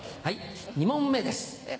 ２問目です。